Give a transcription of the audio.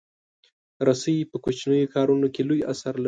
رسۍ په کوچنیو کارونو کې لوی اثر لري.